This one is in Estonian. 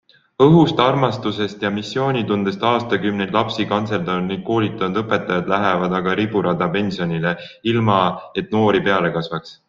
Õhust, armastusest ja missioonitundest aastakümneid lapsi kantseldanud ning koolitanud õpetajad lähevad aga riburada pensionile, ilma et noori peale kasvaks.